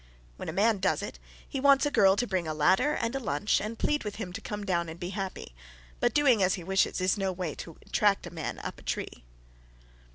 When a man does it, he wants a girl to bring a ladder and a lunch and plead with him to come down and be happy, but doing as he wishes is no way to attract a man up a tree.